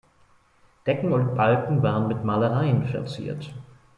Decken und Balken waren mit Malereien verziert.